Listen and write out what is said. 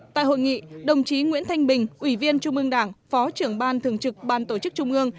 tại hội nghị đồng chí nguyễn thanh bình ủy viên trung ương đảng phó trưởng ban thường trực ban tổ chức trung ương